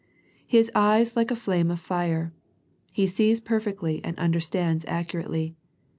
His eyes like a flame of fire, He sees perfectly and understands ac curately.